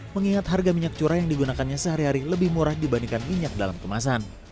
mengingat harga minyak curah yang digunakannya sehari hari lebih murah dibandingkan minyak dalam kemasan